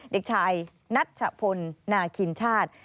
เด็กชายนัชพลนาคินชาติ